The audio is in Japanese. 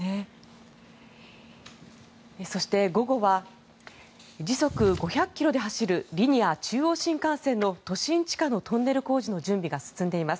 そして、午後は時速５００ｋｍで走るリニア中央新幹線の都心地下のトンネル工事の準備が進んでいます。